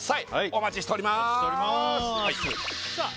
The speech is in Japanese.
お待ちしておりますわあ！